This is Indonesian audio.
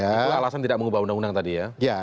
itu alasan tidak mengubah undang undang tadi ya